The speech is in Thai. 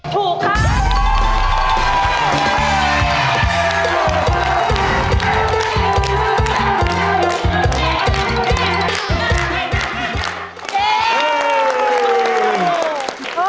ถูกครับ